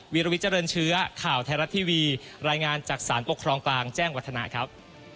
วิลวิเจริญเชื้อข่าวไทยรัฐทีวีรายงานจากสารปกครองกลางแจ้งวัฒนะครับ